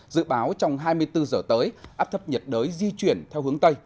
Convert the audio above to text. dự báo trong hai mươi bốn giờ tới áp thấp nhiệt đới di chuyển theo hướng tây